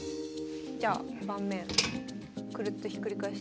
じゃあ盤面クルッとひっくり返して。